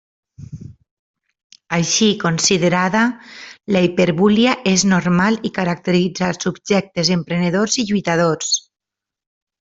Així considerada, la hiperbúlia és normal i caracteritza els subjectes emprenedors i lluitadors.